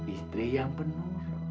istri yang penuh